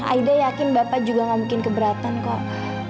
aida yakin bapak juga gak mungkin keberatan kok